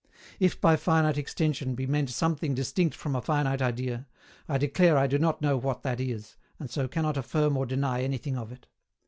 If by finite extension be meant something distinct from a finite idea, I declare I do not know what that is, and so cannot affirm or deny anything of it.